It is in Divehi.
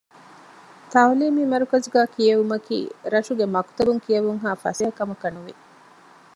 ތަޢުލީމީ މަރުކަޒުގައި ކިޔެވުމަކީ ރަށުގެ މަކުތަބުން ކިޔެވުންހާ ފަސޭހަ ކަމަކަށް ނުވި